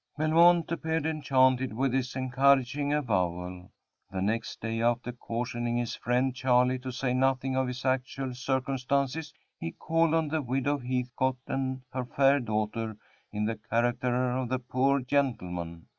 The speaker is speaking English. Belmont appeared enchanted with this encouraging avowal. The next day, after cautioning his friend Charley to say nothing of his actual circumstances, he called on the widow Heathcote and her fair daughter in the character of the "poor gentleman."